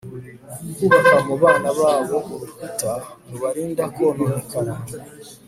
kubaka mu bana babo urukuta rubarinda kononekara